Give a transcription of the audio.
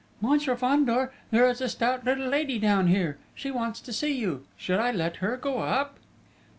"Monsieur Fandor! There is a stout little lady down here! She wants to see you! Should I let her go up?"